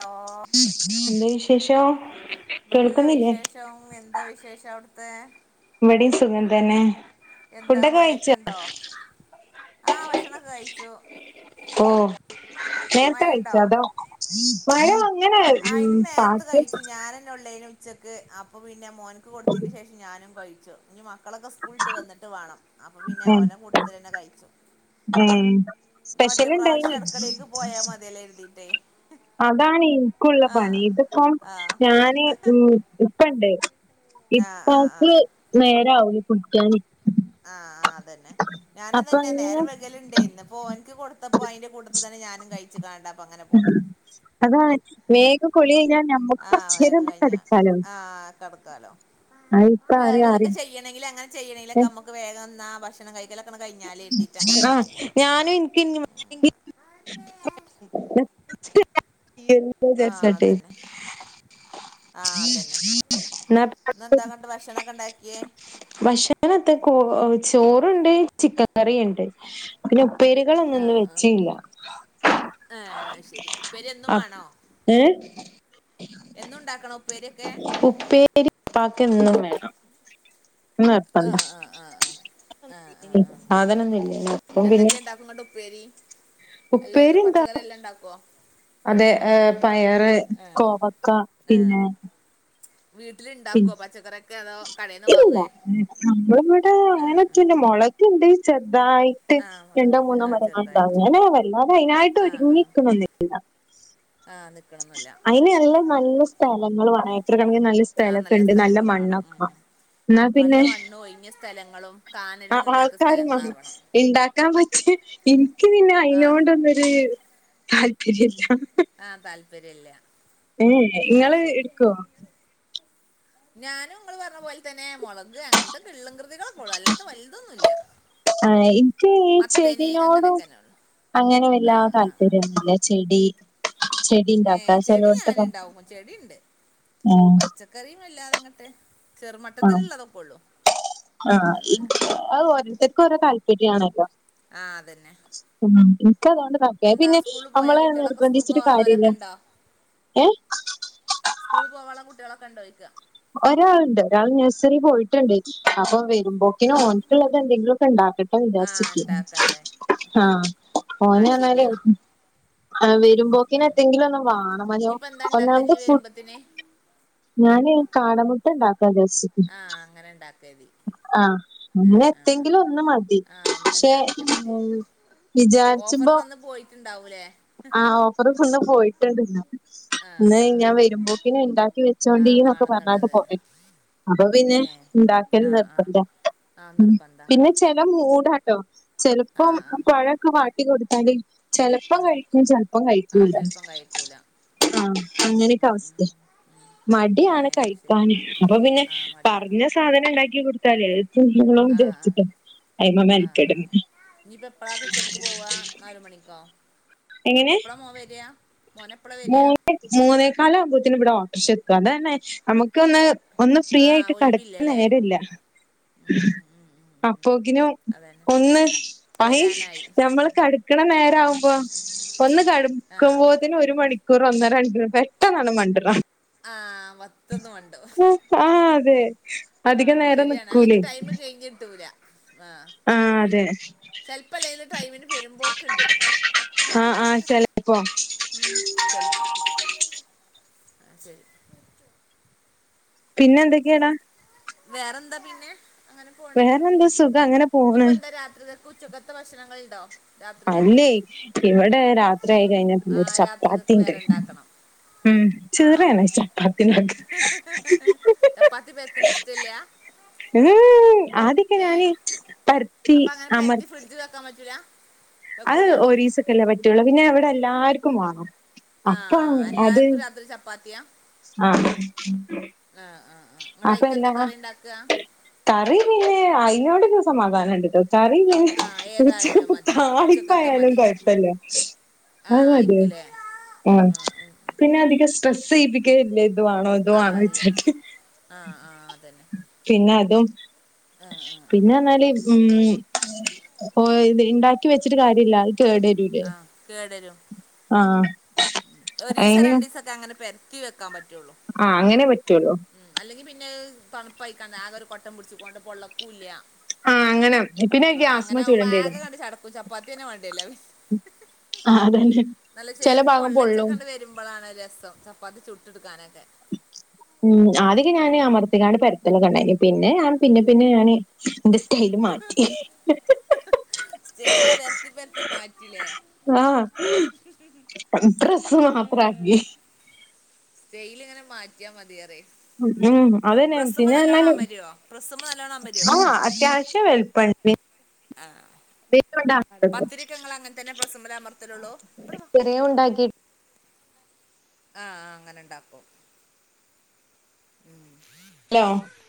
ഓ എന്താ വിശേഷം നല്ല കേൾക്കുന്നില്ലേ വിശേഷം എന്താ വിശേഷം അവ്ട്ത്തെ ഇവടിം സുഖം തന്നെ എന്താ ഫുഡൊക്കെ കഴിച്ചോ മഴൊക്കെണ്ടോ ആ ഭക്ഷണൊക്കെ കഴിച്ചു ഓ നേരത്തെ കഴിച്ച അതോ മഴ അങ്ങനെ ആഹ് ഉം ഇന്ന് നേരത്തെ പാക്ക് കഴിച്ചു ഞാനെന്നൊള്ളേനു ച്ചക്ക് അപ്പോ പിന്നെ മോന്ക്ക് കൊടുത്തേന് ശേഷം ഞാനും കഴിച്ചു ഞ് മക്കളൊക്കെ സ്കൂൾട്ട് വന്നിട്ട് വാണം അപ്പം പിന്നെ ഏ ഓലെ കൂട്ടത്തിലെന്നെ കഴിച്ചു ഏ ന്നാ സ്പെഷ്യൽ ഉണ്ടായിനി ഒറ്റപ്രാവശ്യം അട്ക്കളേക്ക് പോയാ മത്യല്ലോര്തീറ്റയ് അതാണ് ഇന്ക്കുള്ള പണി ഇത്പ്പം ആ ഞാന് ഉം ഇപ്പണ്ട് ആ ആ ആ ഇപ്പാക്ക് നേരാവൂല കുട്ക്കാൻ ആ ആ അതന്നെ അപ്പൊ ഞാനതന്നെ അങ്ങനെ നേരം വെകല്ണ്ട് ഇന്ന് പ്പോ ഓന്ക്ക് കൊട്ത്തപ്പോ അയ്ന്റെ കൂട്ടത്ത് തന്നെ ഞാനും കൈച്ച്കാണ്ട പ്പൊങ്ങനെ പോന്ന് അതാണ് വേഗം കുളി അയ്ഞ്ഞാ ഞമ്മക്ക് കൊർച്ചേരൊന്ന് കട്ക്കാലോ കട്ക്കാലോ ആരേം ആരേം [unintelligible] യ്യണെങ്കിൽ അങ്ങനെ ചെയ്യണങ്കിലൊക്കെ മ്മക്ക് വേഗം ന്നാ ഭക്ഷണം കഴിക്ക ആഹ് ഞാനും എനിക്ക് ഞ് [unintelligible] [unintelligible] എന്താ ആഹ് ജാര്ച്ചാണ്ടേ അതന്നെ ആഹ് അതന്നെ ഇന്നെന്താങ്ങട്ട് ഭക്ഷണൊക്കെ ഇണ്ടാക്കിയേ [unintelligible] നത്ത കോ ചോറ്ണ്ട് ചിക്കൻ കറി ണ്ട് പിന്നെ ഉപ്പേരികളൊന്നും ന്ന് വെച്ചീല്ല ഏ അത് ശരി ഉപ്പേര്യന്നും വേണോ ഏഹ് എന്നുണ്ടാക്കണോ ഉപ്പേര്യോക്കെ പ്പാക്കെന്നും വേണം ഇന്ന് അ നിർബന്ധാ അ ആ ആ അ ആ ആ സാധനൊന്നില്ല. എന്തക്കെണ്ടാക്കും ന്നട്ട് ഉപ്പേരി അല്ലേത് ഉപ്പേരി എന്താ പച്ചക്കറി എല്ലം ഇണ്ടാക്കൊ അതെ പയറ് കോവക്ക പിന്നെ വീട്ടില് ഇണ്ടാക്കൊ പിന്നെ പച്ചക്കറിയൊക്കെ അതോ കടേന്ന് വാങ്ങേ നമ്മള് വ്ടെ അങ്ങനെക്കല്ല മൊളക്ണ്ട് ചെർതായി ട്ട് ആ രണ്ടോ മുളകുണ്ട് മൂന്നോ ആ മരങ്ങള് ണ്ടാവും ചെറുതായിട്ട് അങ്ങനെ വല്ലാത അയ്നായിട്ട് ആ ആ ഒരുങ്ങിക്ക്ണൊന്നില്ല ആ നിക് അയ്ന് എല്ലം നല്ല സ്ഥലങ്ങള് വാണം ഏക്കറക്കണക്കിന് നല്ല ആ സ്ഥലക്ക്ണ്ട് നല്ല സ്ഥലങ്ങൾ മണ്ണൊ വേണം ഉം, ആ ഉം. നല്ല മണ്ണും ഒയിഞ്ഞ സ്ഥലങ്ങളും കാനലൊന്നില്ലാത്ത സ്ഥലങ്ങളാവണം. ഇണ്ടാക്കാം പറ്റിയാ ഇൻക്ക് പിന്നെ ആ അയിനോണ്ടൊന്നരു താല്പര്യല്ല ആ താല്പര്യല്ല എ ഏ ഇങ്ങള് ഇട്ക്കോ ഞാനും ഇങ്ങള് പർഞ്ഞ പോൽ തന്നെ മൊളക് അങ്ങൻത്തക്കെ ഇള്ള്ൻ കൃതികളൊക്കൊള്ളു അല്ലാത്ത വൽതൊന്നൂല്ല ആ ഇൻക്ക് ഈ ചെടിനോടും അങ്ങനെയൊക്കെ തന്നെ ഉള്ളു അങ്ങന ആ വല്ലാ ആ ആ താല്പര്യൊന്നുല്ല ചെടി ചെടി ഏ ഇണ്ടാക്കാ ചെടി ചെലോട്ത്തൊക്കെ ഞാന്ണ്ടാവും ചെടിണ്ട് ഉം പച്ച കറി വല്ലാതങ്ങട്ട് അ ആ അല്ലാതൊന്നുമില്ല അത് ഓരോരുത്തർക്കോരോ താല്പര്യാണല്ലോ ആ അതന്നെ ഉം ഇൻക്കതോണ്ട് മറ്റേ എന്താ പിന്നെ സ്കൂളിൽ പോയ അമ്മള് കുട്ടികളൊക്കെ സ്കൂൾക്ക് നിർബന്ധിച്ചിട്ട് പോകാനുള്ളവരൊക്കെ കാര്യല്ല ഉണ്ടോ ഏ സ്കൂള് പോവാള്ള കുട്ട്യാളോക്കെണ്ടൊ ചോഴിക്ക ഒരാള്ണ്ട് ഒരാള് നെഴ്സറി പോയിട്ട്ണ്ട് അപ്പ വരുമ്പോ ത്തിന് ആ ഓൻക്ക് ഇള്ളത് എന്തെങ്കിലൊക്കെ ഇണ്ടാക്കട്ടെ ആ വിചാരിച്ക്ക ഉണ്ടാക്കണ്ടേ ആ ആ ഓന് അർഞാലെ ശരിയാണ് ആ വരുമ്പോക്കിന് എത്തെങ്കിലൊന്ന് വാണം ഇനിയിപ്പോൾ എന്താ [unintelligible] ഉണ്ടാക്കുക ഒന്നാമത് നീ ഫു വരുമ്പത്തിന് ഞാന് കാട മുട്ടണ്ടാക്കാ വിചാര്ച്ച് ആ അങ്ങനണ്ടാക്യാതി. ആ അങ്ങനെ എത്തെങ്കിലൊന്ന് മതി ആ പക്ഷെ ഒന്നുണ്ടാക്കിയാൽ മതി ഉം വിജാര്ച്ചുമ്പോ റ്റ്ണ്ടാവുലേ ആ ഓഫറ് തന്ന് പോയിട്ട്ണ്ട് ആ ഇന്ന് ആ ആ ഞാം വരുമ്പോക്കിന് ഇണ്ടാക്കി ആ വെച്ചോണ്ടീന്നൊക്കെ പർഞാണ്ട് വേണമെന്നുള്ളത് പോയെ അപ്പം പിന്നെ ഏ ഇണ്ടാക്കല് ആഹ് ആഹ് നിർബന്ധ ആഹ് ഉം നിർബന്ധ പിന്നെ ചെല മൂടാട്ടോ ചെലപ്പം ആഹ് ആഹ് പഴക്ക വാ ട്ടി കൊട്ത്താല് ചെലപ്പം ആഹ് കഴിക്കും ചെൽപ്പം ആഹ് കഴിക്കുല്ല. ചെലപ്പം കഴിക്കൂല ആ അങ്ങനെക്ക അവസ്‌തെ ഏ മടിയാണ് അത് ശരി കഴിക്കാന് അപ്പ പിന്നെ ആഹ് മടിയാണ് പർഞ്ഞ സാധനം ഇണ്ടാക്കി കൊടുത്താലേ കൊളാവും ആഹ് വിജാരിച്ചിട്ടാ ആഹ് അയ്മ മെൻക്കെട് ക്ക് പോവാ നാല് മണിക്കോ എപ്പളാ മോൻ വരാ മോന് മൂന്നേക്കാലാവുമ്പോത്തിനും ഇവടെ ഓട്ടർഷേത്തും അതെന്നെ നമുക്കൊന്ന് ഒന്ന് ഫ്രീ ആഹ് ആയിട്ട് കടക്കാ ഒഴിവില്ലല്ലേ നേരല്ല ഉം ഉം ഉം ഉം ഉം അപ്പോക്കിനും അതന്നെ ഒന്ന് ആയി വരാനായി ഞമ്മള് കട ക്ക്ണ നേരവുമ്പോ ഒന്ന് ആഹ് കടക്കുമ്പൊത്തിന് ഒരു മണിക്കൂറ് ഒന്നരണിക്കൂറ് പെട്ടെന്നണ്ട് മണ്ട്ണ്കാണാ ആഹ് ട്ടെന്ന് മണ്ടും ആഹ് അതെ അധിക നേരം നിക്കൂലേ അല്ലെങ്കി ടൈമ് കയിഞ്ഞ് കിട്ടൂലാ... ആഹ് അതെ. ചെൽപ്പല്ലെലും ടൈമിന് പെരുമ്പോക്ക്ണ്ട്. ആഹ് ആഹ് ചെലപ്പോ ഉം ചെൽപ്പം ശരി പിന്നെന്തൊക്കെയാടാ വേറെ എന്താ പിന്നെ അങ്ങനെ പോണ് വേറെന്താ സുഖം അങ്ങനെ പോണ് ഇനിയിപ്പ എന്താ രാത്രി ത് ഉച്ചക്കത്തെ ഭക്ഷണങ്ങളുണ്ടോ രാത്രികക്ക് അല്ലേ ഇവിടെ രാത്രി ആയി കഴിഞ്ഞ ആ ഒരു രാത്രികക്ക് ചപ്പാത്തിണ്ട് വേറെ ഉണ്ടാക്കണം ഉം ആ ചീറയാണേ ചപ്പാത്തിണ്ടാക്കിയത് ത്രേ ഇഷ്ടല്ല്യ ഉം ആദ്യോക്കെ ഞാന് പരത്തി അപ്പൊ അങ്ങനെ അമർ പെരത്തി ഫ്രിഡ്ജ് വെക്കാൻ പറ്റൂല അത് വെക്കൂല ഒരീസൊക്കെല്ലേ പറ്റുള്ളൂ പിന്നെ ഇവിടെ എല്ലാർക്കും വാങ്ങും ആഹ് എല്ലാർക്കും രാത്രി ചപ്പാത്തിയാ ആഹ് ആഹ് ആഹ് അപ്പല്ലറോ കറി പിന്നെ അയിനോടൊരു സമാധാനണ്ട്ട്ടോ കറി ഇല്ലെ ആ ഏതായാലും ഉച്ചക്കത്തെ മതി ഉച്ചക്കത്തെ താളിപ്പായാലും മതി കൊഴപ്പല്ല ആ അത് മതിയോ അയിക്കല്ലേ ആഹ് ആ ഉം പിന്നെ അധികം സ്ട്രെസ് ചെയ്യിപ്പിക്കേയില്ല ഇതു വേണാ ഇത് വേണോ യിച്ചാക്കി ആഹ് ആഹ് അതന്നെ പിന്നെ അതും ആഹ് പിന്നെ റഞ്ഞാല് ഉം ഇത് ഉണ്ടാക്കി വെച്ചിട്ട് കാര്യല്ല അത് കേടരു ആഹ് കേടരും ആഹ് ഒരീസോ അയിന് രണ്ടിസോ ഒക്കെ അങ്ങനെ പെരത്തി വെക്കാൻ പറ്റുള്ളൂ ആഹ് അങ്ങനെ പറ്റൂല്ലോ ഉം അല്ലെങ്കി പിന്നെ തണുപ്പായികാണ്ട് ആകെ ഒരു കൊട്ടം പിടിച്ചിക്കൊണ്ട് പൊള്ളക്കുല്ല ആഹ് അങ്ങനെ പിന്നെ ആഹ് അങ്ങനെ ഗ്യാസ്മ്മെ ആവുമ്പോ ചുടണ്ടിരും ആകെ കണ്ട് ചടക്കും ചപ്പാത്തിന്നെ വേണ്ടിയല്ലേ എല്ലാവരും ആ അതന്നെ നല്ല ചെല ചേൽക്ക് ഭാഗം പൊള്ളും പൊള്ളച്ചക്കെണ്ട് വരുമ്പളാണ് രസം ചപ്പാത്തി ചുട്ട് എടുക്കാനൊക്കെ ഉം ആദ്യോക്കെ ഞാന് അമർത്തിക്കാണ്ട് പരത്തെല്ലൊക്കെണ്ടായിന് പിന്നെ ഞാൻ പിന്നെ പിന്നെ ഞാന് എന്റെ സ്റ്റൈല് മാറ്റി സ്റ്റൈല് പരത്തി പരത്തി മാറ്റില്ലേ ആഹ് പ്രെസ്സ് മാത്രക്കി സ്‌റ്റൈല് ഇങ്ങനെ മാറ്റിയാ മതിയറേ ഉം ഉം അതന്നെ പിന്നെ റഞ്ഞാല് അമരുവോ പ്രസ്സുമ്മ നല്ലോണം അമരുവോ ആഹ് അത്യാവശ് ന്റെ വെൽപണ്യേ ആഹ് [inaudible] കൊണ്ടാ പത്തിരി ഒക്കെ ങ്ങള് അങ്ങൻ തന്നെ പ്രസ്സ്മ്മല അമർത്തലൊള്ളൂ. ഇവിടെ വാ ദേ ഉണ്ടാക്കി ആഹ് അങ്ങനെണ്ടാക്കും [inaudible] ഹലോ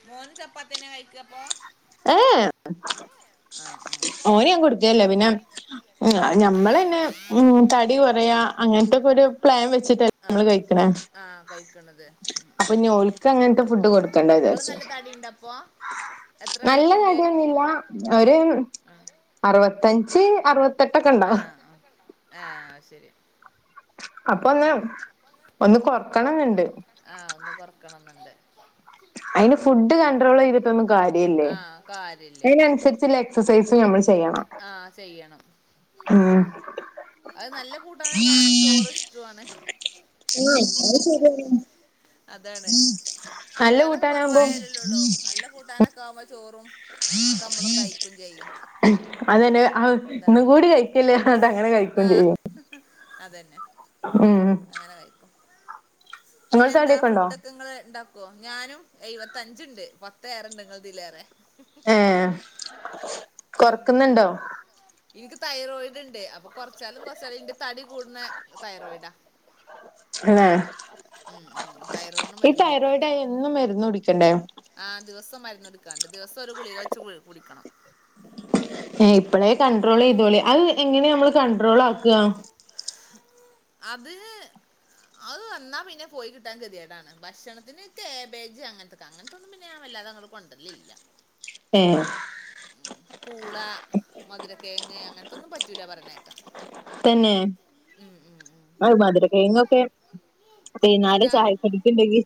മോന് ചപ്പാത്തി അന്നെ കഴിക്ക ഏഹ് ആ ആ ഓന് ഞാൻ കൊടുക്കൽല്ല പിന്നെ [unintelligible] ഞമ്മളന്നെ ഉം തടി കൊറയാ അങ്ങനത്തൊക്കെ ഒരു പ്ലാൻ വെച്ചിട്ട് ആ നമ്മള് കഴിക്കണേ ആ കഴിക്കണത് അപ്പൊ ഇഞ് ഓൽക്ക് അങ്ങനത്തെ ഫുഡ് കൊടുക്കണ്ട വിചാരിച്ചു തടിയുണ്ടോ അപ്പൊ നല്ല തടിയൊന്നില്ല ഒരു ആ അറുവത്തഞ്ച് അറുവ- ആഹ് ആഹ് ഏഹ് അയ് ശരി ഉം, അപ്പൊ ഒന്ന് ഉം. ഒന്ന് കൊറക്കണംന്ന്ണ്ട് ആഹ് ഒന്ന് കൊറക്കണെന്ന്ണ്ട് അയിന് ഫുഡ് കൺട്രോള് ചെയ്ത് ട്ടൊന്നും കാര്യല്ലേ. ആ കാര്യമില്ല അയ്നനുസരിച്ച്ല്ല എക്സസൈസും ഞമ്മള് ചെയ്യണം ആ ചെയ്യണം ഉം അത് നല്ല കൂട്ടാനെ കാണുമ്പൊ ചോറ് ഇഷ്ടു ആണ് തന്നെ അത് ശരി തന്നേണ് അതാണ് കൂട്ടാനൊക്കെ കൂട്ടാനാകുമ്പോ കൊറവായാലല്ലൊള്ളൂ നല്ല കൂട്ടാനൊക്കെ ആവുമ്പൊ ചോറും അഒക്കമ്മളും കഴിക്കും ചെയ്യും അത് തന്നെ ഹാവൂ! ഒന്നും അതാണ് കൂടി കഴിക്കല്ലേറഞ്ഞ്ട്ട് അങ്ങനെ കഴിക്കും ആഹ് ചെയ്യും അതന്നെ ഉം അങ്ങനെ കഴിക്കും. പിന്നെ നിങ്ങള് എന്താ തടിയൊക്കെ ഉണ്ടോ ഫുഡൊക്കെങ്ങള് ഇണ്ടാ ക്കൊ. ഞാനും എയ്‌വത്തഞ്ച്ണ്ട് പത്തേറെണ്ട് ഇങ്ങൾതീലേറെ ഏഹ് കൊറക്കുന്ന്ണ്ടോ? ഇൻക്ക് തൈറോയിഡ്ണ്ട്. അപ്പൊ കൊറച്ചാലും കൊറച്ചാലും ഇന്റെ തടി കൂട്ണ തൈറോയിഡാ തന്നെ ഉം ഉം തൈറോയിഡിന് ഈ മരുന്ന് തൈറോയിഡായ എന്നും മരുന്നുടിക്കണ്ടേ? ആഹ് ദിവസം മരുന്ന് കുടിക്കാണ്ട് ദിവസം ഒരു ഗുളിക വെച്ച് കുടിക്കണം ഏഹ് ഇപ്പളേ കൺട്രോള്‌ ചെയ്തോളി. അത് എങ്ങനെ നമ്മള് കൺട്രോൾ ആക്ക അത് അത് വന്നാ പിന്നെ പോയി കിട്ടാൻ കെതിയേടാണ്. ഭക്ഷണത്തിന് കേബേജ് അങ്ങൻത്തെ കങ്ങനത്തൊന്നും പിന്നെ ഞാം വല്ലാതങ്ങട്ട് കൊണ്ടരലില്ല ഏഹ് പൂള മധുരക്കേങ്ങ് അങ്ങനത്തൊന്നും പറ്റൂല പറീണേക്ക തന്നെ ഉം ഔ മധുരക്കേങ്ങൊക്കെ ടി ന്നാലും ചായക്കടിക്ക്‌ണ്ടെങ്കി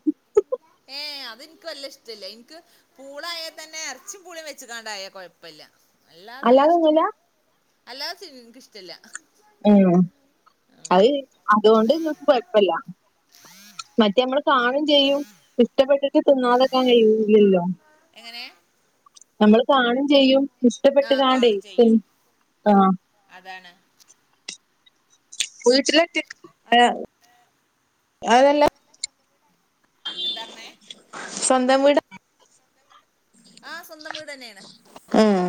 ഏഹ് അതിൻക്ക് വല്ല്യ ഇഷ്ടല്ല ഇൻക്ക് പൂള ആയാ തന്നെ എറച്ചിം പൂളിം വെച്ച്കാണ്ടായ കൊഴപ്പല്ല അല്ലാതെ വല്യ അല്ലാതൊന്നുല്ല ഇഷ്ടല്ല അല്ലാതെ ഇച്ച് ഇൻക്ക് ഇഷ്ടല്ല ഉം അത് അതോണ്ട് ഇങ്ങക്ക് കൊഴപ്പല്ല മറ്റേ അമ്മള് പാണും ചെയ്യും ഇഷ്ടപ്പെട്ടിട്ട് തിന്നാതക്കാൻ കയ്യൂല്ലല്ലോ എങ്ങനെ അമ്മള് കാണും ചെയ്യും ആ ഇഷ്ടപ്പെട്ട്ങ്ങാണ്ടെയ് കാണും ത് ചെയ്യും ആ അതാണ് വീട്ടിലെത്തി [unintelligible] എന്താറഞ്ഞെ സ്വന്തം വിടാ ആഹ സ്വന്തം വീടന്നെണ് ഏഹ്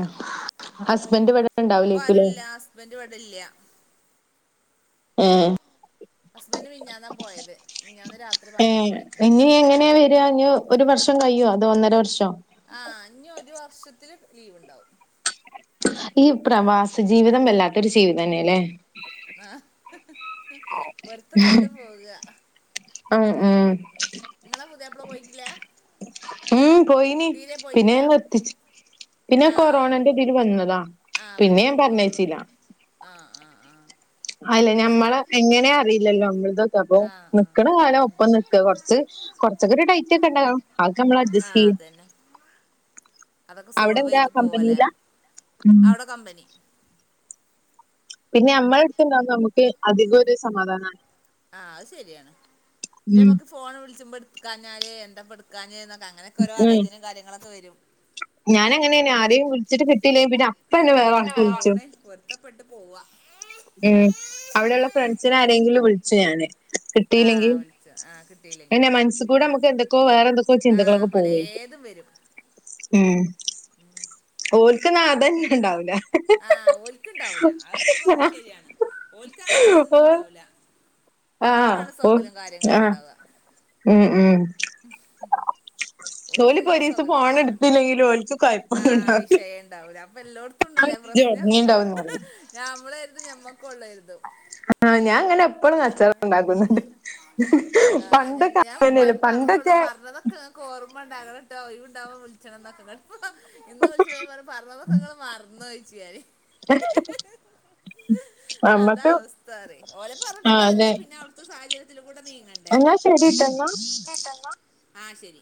ഹസ്ബൻഡ് ഇവിടെ ഇണ്ടാവൂലേക്കുലേ ഇപ്പൊരൂല്ല ഹസ് ബന്റ് ഇവിടെല്ല ഏ ഹസ്ബന്റ് മിഞ്ഞാന്നാ പോയത് മിഞ്ഞാന്ന് രാത്രി പന്ത്രണ്ട് മണിക്ക് എങ്ങനെ വീ [unintelligible] ഒരു വർഷം കയ്യോ അതോ ഒന്നര വർശോ ആ ഇഞ്ഞ് ഒരു വർഷത്തില് ലീവ്ണ്ടാവും ഈ പ്രവാസ ജീവിതം വല്ലാത്തൊരു ജീവിതം താനല്ലേ ആഹ് ഹ് ഹ് ഹ് പൊരുത്തപ്പെട്ടു പോക [unintelligible] ഉം മം ഇങ്ങള പുതിയാപ്ല പോയിറ്റില്ലാ ഉം പോയിനി പിന്നെ പോയിട്ടില്ല നൻ നിർത്തിച്ച് പിന്നെ ആ ആ കൊറോണന്റെതി വന്നതാ ആ പിന്നെ ഞാൻ വന്നു ൻ ആ പറഞ്ഞയച്ചില ആ ആ അ അല്ല ഞമ്മളെ എങ്ങനയ അറിയില്ലല്ലോ അമ്മൾ തൊക്കെ അപ്പൊ ആ ആ നക്കണ കാലം ഉം. ഒപ്പം നിക്ക കൊറച്ച് കൊറച്ചക്കെ ടൈറ്റൊക്കെ ഇണ്ടാവും ആക്കെ അമ്മള് ആ അജസ്റ്റ് ചെയും അതന്നെ അതൊക്കെ സോൾവ് ചെയ്ത് പോവല്ലേ അവ്ടാ കമ്പനി പിന്നെ നമ്മളെണ്ട്ത് ഇടാവുപോ അമ്മക്ക് അധികം ഒരു സമാധാനണ് ആ അഹ്‌ ശരിയാണ് ഇത് ഉം നമുക്ക് ഫോൺ വിളിച്ചുമ്പോ ഇണ്ട്കഞ്ഞാല് എന്താ [unintelligible] അങ്ങനോ ഓോ ഉം ആലോചനയും കാര്യഗോളോക്കെ വരും ഞാൻ അങ്ങനെയിനു ആദ്യം വിളിച്ചിട്ട് കിട്ടില്ലേല് പിന്നെ അപ്പന്നെ വേറല്ക്ക് വിളിച്ചും പോര്ത്തപ്പെട്ട് പോവ മം അവിടെയുള്ള ഫ്രണ്ട്സിനെ ആരെങ്കിലും വിളിച്ചുഞന് കിട്ടില്ലെങ്കിൽ ആഹ് വിളിച്ചു ആഹ് അനെ കിട്ടിയില്ലെങ്കില് മനസ്സ കൂടെ നമ്മക്ക് എന്തൊക്കോ വേറെന്തൊ [unintelligible] ആഹ് ചിന്തക്കളൊക്കെ പോവേര്ക്കും പലേതും വരും മം ഓൽക്ക്ന്ന അതന്നെ ഇണ്ടാവുല ആഹ ഒൽക്ക് ഇണ്ടാവൂല അത് നിങ്ങൾ പറഞ്ഞത് ശരിയാണ് ഓലക്ക് ഓ അങ്ങൻതൊന്നും ണ്ടാവുല്ല ആഹ് നമ്മൾക്കാണ് സോകലും കാര്യങ്ങളും ഇണ്ടാവ മം ഉം ഓൽക്ക് ഒലിപോ അങ്ങനത്തെ ഒരിസം സൊകലൊന്നും ഉണ്ടാവൂല ഫോൺട്ത്തില്ലെങ്കിലും ഓൽക്ക് കൊയിപോന്നു ആഹ് ണ്ടവു [unintelligible] അപ്പൊ എല്ലോട്ത്തും ഇണ്ടല്ലേ പ്രശ്നം ഒറങ്ങിണ്ടാവുംന്ന് പറയും [unintelligible] നമ്മള്ക്കാരൂതും യിരുന്നു ഞമ്മകൊ ഉള്ളായിരുന്നു ആ ഞാൻ ഇങ്ങനെ എപ്പോഴും കാച്ചറ ഇ ണ്ടാക്കും ന്നിണ്ട് ആ പണ്ടൊകൊ അഗാനെയ്നു പണ്ടൊക്കെ [unintelligible] ഒർമ്മ ഇടാ [unintelligible] [unintelligible] ന്ന് വിളിച്ചു ഞാൻ പറന്നതൊകെ ഇഗാൾ മറന്നോഴിച് [unintelligible] അത അവസ്ഥരെ ഓലെ പറഞ്ഞിട്ടും ആഹ് കാര്യല്ല അതെ പിന്നെ അവിടുത്തെ സാഹചര്യതിലുടെ നീങ്ങണ്ടേ എന്നാ [unintelligible] കേട്ടെന്നോ ആ ശെരി